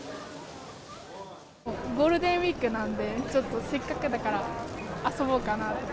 ゴールデンウィークなんで、ちょっとせっかくだから遊ぼうかなと。